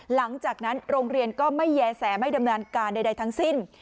หลังจากนั้นโรงเรียนก็ไม่แย้แสไม่ดำเนินการใดทั้งสิ้น